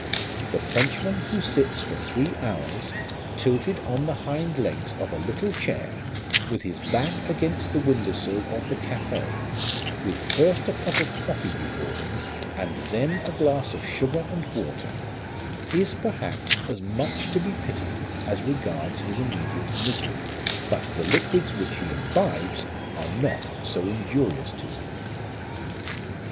The Frenchman who sits for three hours tilted on the hind legs of a little chair with his back against the window sill of the café, with first a cup of coffee before him and then a glass of sugar and water, is perhaps as much to be pitied as regards his immediate misery; but the liquids which he imbibes are not so injurious to him.